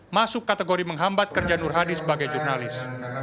masuk kategori menghambat kerja nur hadi sebagai jurnalis